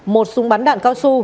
một súng bắn đạn cao su